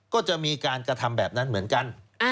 ก็จะมีการกระทำแบบนั้นเหมือนกัน